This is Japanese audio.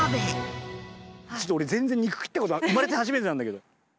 ちょっと俺全然肉切ったこと生まれて初めてなんだけど。